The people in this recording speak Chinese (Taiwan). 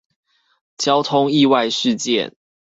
交通意外事件